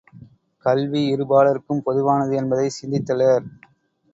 கல்வி இருபாலார்க்கும் பொதுவானது என்பதைச் சிந்தித்திலர்.